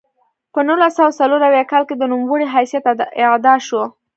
په نولس سوه څلور اویا کال کې د نوموړي حیثیت اعاده شو.